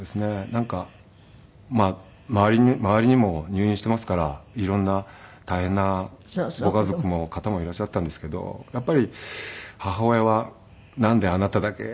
なんか周りにも入院していますから色んな大変なご家族の方もいらっしゃったんですけどやっぱり母親はなんであなただけ。